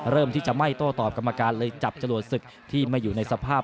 เริ่มที่จะไม่โต้ตอบกรรมการเลยจับจรวดศึกที่ไม่อยู่ในสภาพ